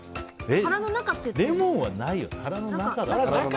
いや、レモンはないよ。